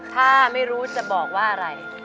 ถ้าไม่รู้จะบอกว่าอะไร